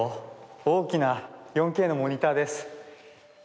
大きな４Ｋのモニターです。